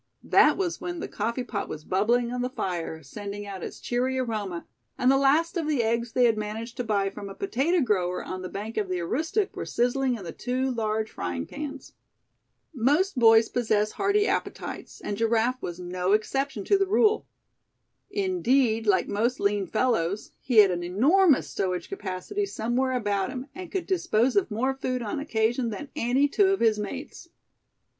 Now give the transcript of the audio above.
That was when the coffee pot was bubbling on the fire, sending out its cheery aroma; and the last of the eggs they had managed to buy from a potato grower on the bank of the Aroostook were sizzling in the two large frying pans. Most boys possess hearty appetites, and Giraffe was no exception to the rule. Indeed, like most lean fellows, he had an enormous stowage capacity somewhere about him, and could dispose of more food on occasion than any two of his mates.